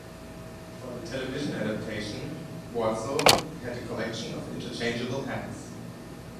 For the Television adaption, Worzel had a collection of interchangeable heads.